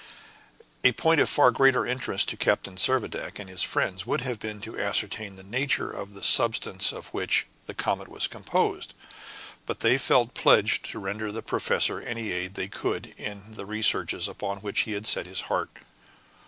A point of far greater interest to Captain Servadac and his friends would have been to ascertain the nature of the substance of which the comet was composed, but they felt pledged to render the professor any aid they could in the researches upon which he had set his heart.